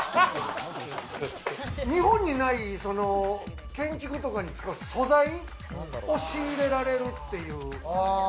日本にない、建築とかに使う素材を仕入れられるという。